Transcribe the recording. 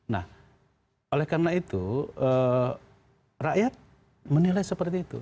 nah oleh karena itu rakyat menilai seperti itu